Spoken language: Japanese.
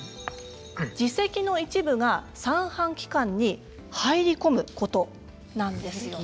耳石の一部が三半規管に入り込むことなんですよね。